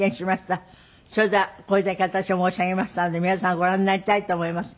それではこれだけ私が申し上げましたので皆さんご覧になりたいと思います。